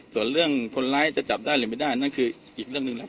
ส่วนเรื่องคนร้ายจะจับได้หรือไม่ได้นั่นคืออีกเรื่องหนึ่งแล้ว